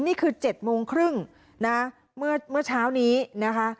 นี่คือ๗โมงครึ่งนะเมื่อเช้านี้นะคะ